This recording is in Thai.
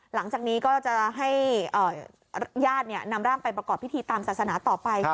หลังจากนี้ก็จะให้ญาตินำร่างไปประกอบพิธีตามศาสนาต่อไป